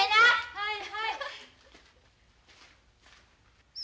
はいはい。